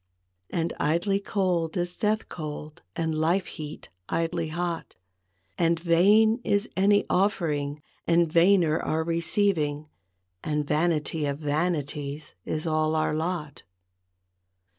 FROM QUEENS' GARDENS. 166 II. And idly cold is death cold, and life heat idly hot, And vain is any offering, and vainer our receiving, And vanity of vanities is all our lot.